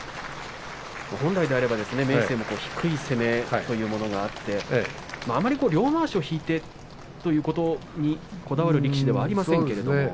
本来であれば明生の低い攻めというものがあってあまり両まわしを引いてということにこだわる力士ではありませんけどね。